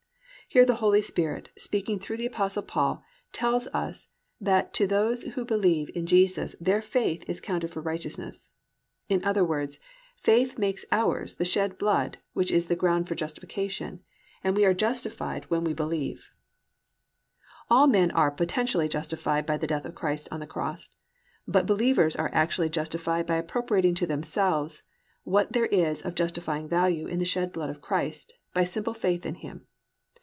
"+ Here the Holy Spirit, speaking through the Apostle Paul, tells us that to those who believe in Jesus their faith is counted for righteousness. In other words, faith makes ours the shed blood which is the ground of justification, and we are justified when we believe. All men are potentially justified by the death of Christ on the cross, but believers are actually justified by appropriating to themselves what there is of justifying value in the shed blood of Christ by simple faith in Him.